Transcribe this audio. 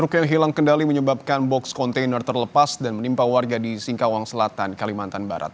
truk yang hilang kendali menyebabkan box kontainer terlepas dan menimpa warga di singkawang selatan kalimantan barat